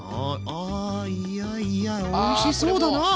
あいやいやおいしそうだなあ。